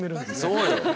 そうよ。